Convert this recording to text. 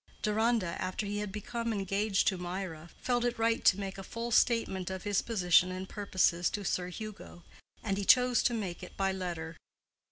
Deronda, after he had become engaged to Mirah, felt it right to make a full statement of his position and purposes to Sir Hugo, and he chose to make it by letter.